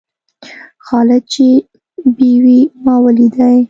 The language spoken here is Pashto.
خالد چې بېوى؛ ما وليدئ.